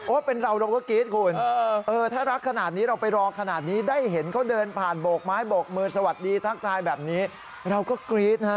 เป็นเราเราก็กรี๊ดคุณถ้ารักขนาดนี้เราไปรอขนาดนี้ได้เห็นเขาเดินผ่านโบกไม้โบกมือสวัสดีทักทายแบบนี้เราก็กรี๊ดนะฮะ